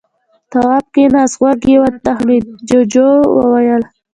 تواب کېناست. غوږ يې وتخڼېد. جُوجُو وويل: